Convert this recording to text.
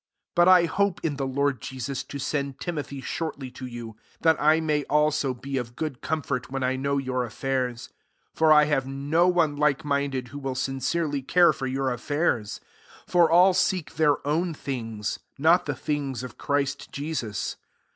19 But I hope in the Lord Jesus, to send Timothy shortly to you, that I may also be of good comfort when I know your affairs. 20 For I have no one likeminded, who will sin cerely care for your affairs. 21 For all seek their own things, not the things of Christ Jesus.